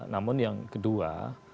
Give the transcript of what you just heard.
namun yang kedua